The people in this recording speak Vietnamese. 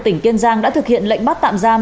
tỉnh kiên giang đã thực hiện lệnh bắt tạm giam